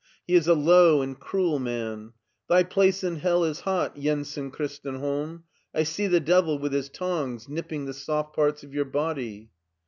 He is a low and cruel man. Thy place in hell is hot, Jensen Christenholm ! I see the devil with his tongs nipping the soft parts of your body."